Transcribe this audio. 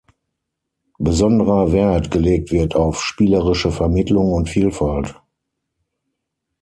Besonderer Wert gelegt wird auf spielerische Vermittlung und Vielfalt.